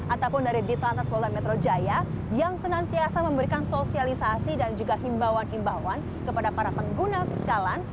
ataupun dari ditlantas polda metro jaya yang senantiasa memberikan sosialisasi dan juga himbauan himbauan kepada para pengguna jalan